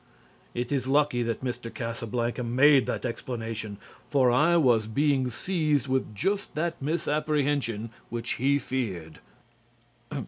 It is lucky that Mr. Casablanca made that explanation, for I was being seized with just that misapprehension which he feared.